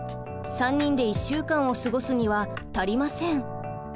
３人で１週間を過ごすには足りません。